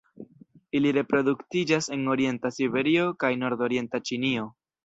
Ili reproduktiĝas en orienta Siberio kaj nordorienta Ĉinio.